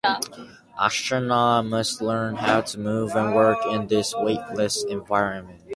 Astronauts must learn how to move and work in this weightless environment.